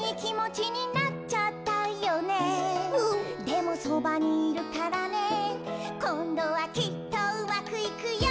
「でもそばにいるからねこんどはきっとうまくいくよ！」